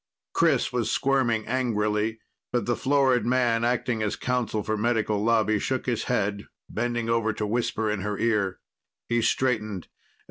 Chris was squirming angrily, but the florid man acting as counsel for Medical Lobby shook his head, bending over to whisper in her ear. He straightened.